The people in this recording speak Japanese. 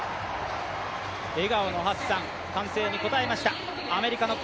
笑顔のハッサン、歓声に応えました。